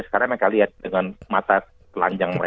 sekarang mereka lihat dengan mata telanjang mata